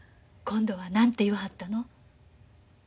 今度は何て言わはったの？